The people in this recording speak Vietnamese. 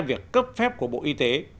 việc cấp phép của bộ y tế